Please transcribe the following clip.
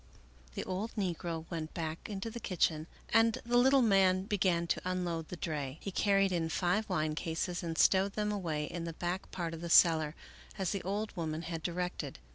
The old negro went back into the kitchen and the little man began to unload the dray. He carried in five wine cases and stowed them away in the back part of the cellar as the old woman had directed.